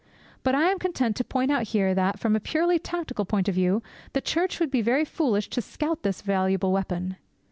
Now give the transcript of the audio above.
But I am content to point out here that, from a purely tactical point of view, the Church would be very foolish to scout this valuable weapon.